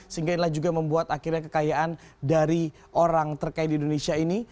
sehingga inilah juga membuat akhirnya kekayaan dari orang terkaya di indonesia ini